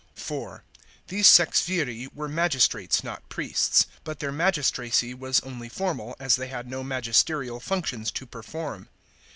(4) These sexviri were magistrates, not priests ; but their magistracy was only formal, as they had no magisterial functions to perform.